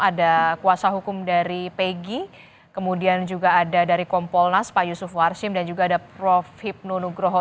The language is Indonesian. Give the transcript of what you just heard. ada kuasa hukum dari pegi kemudian juga ada dari kompolnas pak yusuf warsim dan juga ada prof hipnu nugroho